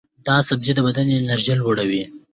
دا سبزی د بدن انرژي لوړوي.